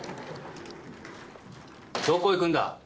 どこ行くんだ？